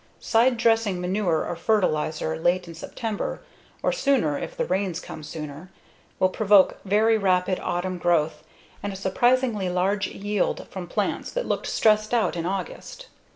Side dressing manure or fertilizer late in September (or sooner if the rains come sooner) will provoke very rapid autumn growth and a surprisingly large yield from plants that looked stress out in August.